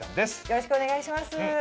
よろしくお願いします。